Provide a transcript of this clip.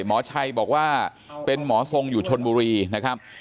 หมอชัยบอกว่าเป็นหมอทรงอยู่ชนบุรีนะครับ